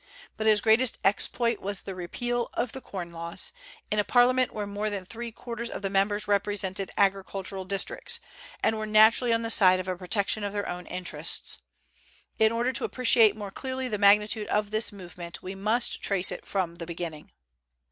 But his great exploit was the repeal of the corn laws, in a Parliament where more than three quarters of the members represented agricultural districts, and were naturally on the side of a protection of their own interests. In order to appreciate more clearly the magnitude of this movement, we must trace it from the beginning.